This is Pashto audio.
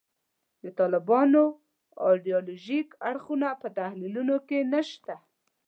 د طالبانو ایدیالوژیک اړخونه په تحلیلونو کې نشته.